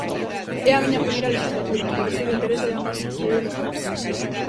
É a miña primeira lexislatura pero sei do interese de ambas e é loable.